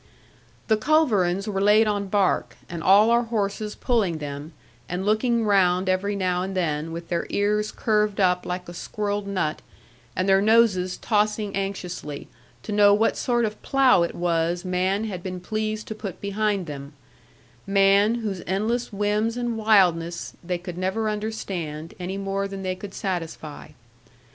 The culverins were laid on bark; and all our horses pulling them, and looking round every now and then, with their ears curved up like a squirrel'd nut, and their noses tossing anxiously, to know what sort of plough it was man had been pleased to put behind them man, whose endless whims and wildness they could never understand, any more than they could satisfy.